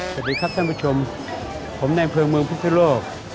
สวัสดีครับท่านผู้ชมผมแนนเพลิงเมืองพุทธโลก